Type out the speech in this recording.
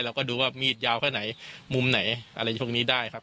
เราก็ดูว่ามีดยาวแค่ไหนมุมไหนอะไรพวกนี้ได้ครับ